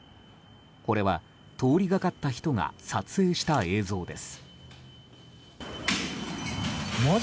これは、通りがかった人が撮影した映像です。